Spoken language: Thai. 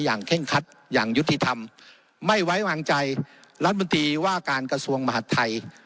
เคร่งคัดอย่างยุติธรรมไม่ไว้วางใจรัฐมนตรีว่าการกระทรวงมหาดไทย